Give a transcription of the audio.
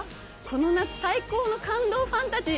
この夏最高の感動ファンタジー。